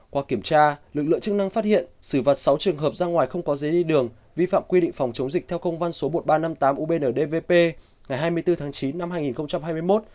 qua kiểm tra lực lượng chức năng phát hiện xử phạt sáu trường hợp ra ngoài không có giấy đi đường vi phạm quy định phòng chống dịch theo công văn số một nghìn ba trăm năm mươi tám ubndv ngày hai mươi bốn tháng chín năm hai nghìn hai mươi một